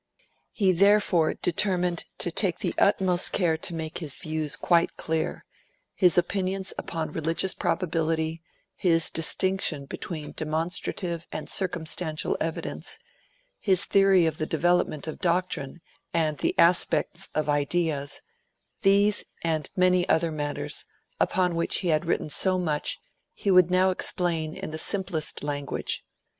He therefore determined to take the utmost care to make his views quite clear; his opinions upon religious probability, his distinction between demonstrative and circumstantial evidence, his theory of the development of doctrine and the aspects of ideas these and many other matters, upon which he had written so much, he would now explain in the simplest language.